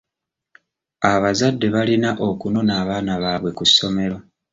Abazadde balina okunona abaana baabwe ku ssomero.